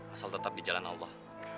asal tetap di jalan allah